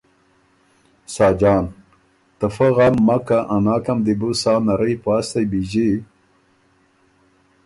ساجان ـــ ته فۀ غم مک کۀ، ا ناکم دی بو سا نرئ پاستئ بیݫی